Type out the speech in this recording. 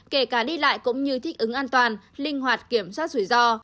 kể cả đi lại cũng như thích ứng an toàn linh hoạt kiểm soát rủi ro